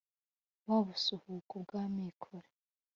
wa busuhuko bwa mikore,